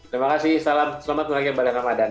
terima kasih salam selamat mengerjakan balai ramadhan